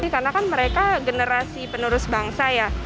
karena kan mereka generasi penerus bangsa ya